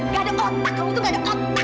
gak ada otak kamu tuh gak ada otak